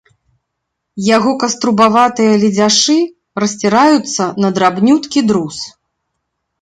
Яго каструбаватыя ледзяшы расціраюцца на драбнюткі друз.